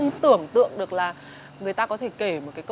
con ngủ với ba mà